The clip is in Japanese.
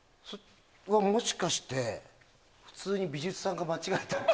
もしかして普通に美術さんが間違えたとか。